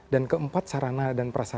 dan keempat sarana dan prasejah